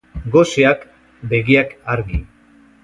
Goseak begiak argi.